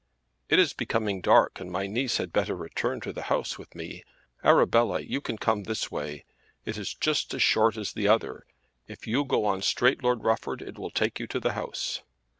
"It is becoming dark and my niece had better return to the house with me. Arabella, you can come this way. It is just as short as the other. If you go on straight, Lord Rufford, it will take you to the house."